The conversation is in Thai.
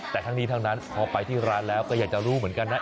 แต่ทั้งนี้ทั้งนั้นพอไปที่ร้านแล้วก็อยากจะรู้เหมือนกันนะ